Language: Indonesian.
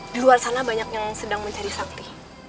di luar sana banyak yang sedang mencari sakti